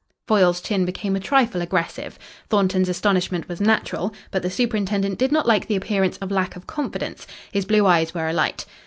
Foyle's chin became a trifle aggressive. Thornton's astonishment was natural, but the superintendent did not like the appearance of lack of confidence. His blue eyes were alight.